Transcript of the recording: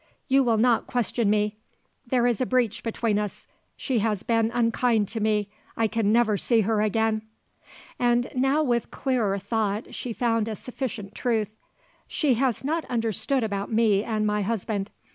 You will not question me. There is a breach between us; she has been unkind to me. I can never see her again." And now with clearer thought she found a sufficient truth. "She has not understood about me and my husband.